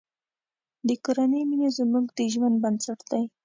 د کورنۍ مینه زموږ د ژوند بنسټ دی.